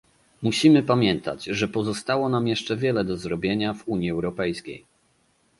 Musimy pamiętać, że pozostało nam jeszcze wiele do zrobienia w Unii Europejskiej